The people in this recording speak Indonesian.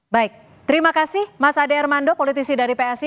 baik terima kasih mas ade armando politisi dari psi